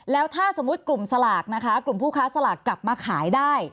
แล้วถ้าสมมุติกลุ่มสลากนะคะกลุ่มผู้ค้าสลากกลับมาขายได้